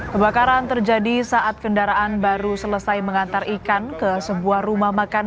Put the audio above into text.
kebakaran terjadi saat kendaraan baru selesai mengantar ikan ke sebuah rumah makan